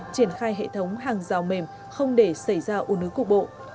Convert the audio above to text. triển khai hệ thống hàng rào mềm không để xảy ra ủn hữu cục bộ